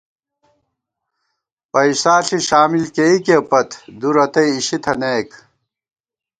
پَئیسا ݪی شامل کېئیکےپت، دُورتئ اِشی تھنَئیک